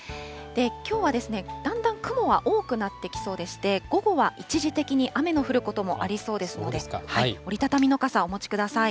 きょうは、だんだん雲は多くなってきそうでして、午後は一時的に雨の降ることもありそうですので、折り畳みの傘、お持ちください。